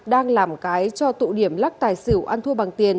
đang làm cái cho tụ điểm lắc tài xỉu ăn thua bằng tiền